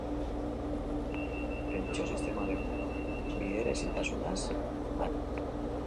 Pentsio sistemaren bideraezintasunaz aritu da iritzi emailea.